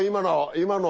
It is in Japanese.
今の！